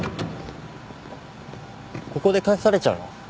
ここで帰されちゃうの？